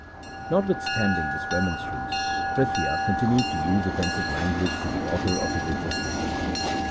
1 Notwithstanding this remonstrance Prithia con tinued to use offensive language to the author of his existence.